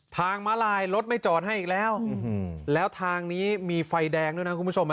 มาลายรถไม่จอดให้อีกแล้วแล้วทางนี้มีไฟแดงด้วยนะคุณผู้ชม